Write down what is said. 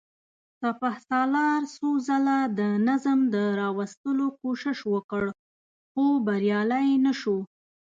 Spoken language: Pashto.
سپهسالار څو ځله د نظم د راوستلو کوشش وکړ، خو بريالی نه شو.